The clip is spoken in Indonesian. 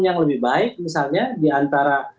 yang lebih baik misalnya diantara